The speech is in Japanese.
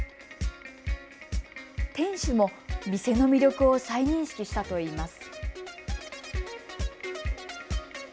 店主も店の魅力を再認識したといいます。